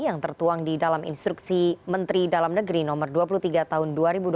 yang tertuang di dalam instruksi menteri dalam negeri no dua puluh tiga tahun dua ribu dua puluh